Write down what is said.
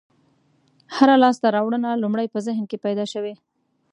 هره لاستهراوړنه لومړی په ذهن کې پیدا شوې.